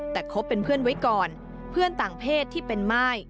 แต่คบเป็นเพื่อนไว้ก่อนเพื่อนต่างเพศที่เป็นม่าย